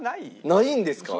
ないんですか？